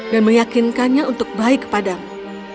dan meyakinkannya untuk baik padamu